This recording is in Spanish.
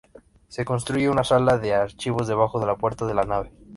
Se construye una sala de archivos debajo de la puerta de la nave.